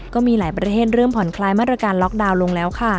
ก็มีหลายประเทศเริ่มผ่อนคลายมาตรการล็อกดาวน์ลงแล้วค่ะ